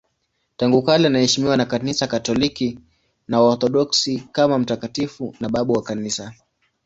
Tangu kale anaheshimiwa na Kanisa Katoliki na Waorthodoksi kama mtakatifu na babu wa Kanisa.